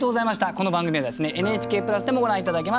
この番組はですねＮＨＫプラスでもご覧頂けます。